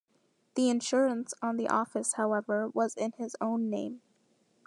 The insurance on the office, however, was in his own name.